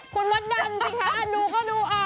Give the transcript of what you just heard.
คุณมดดำสิคะดูก็ดูออก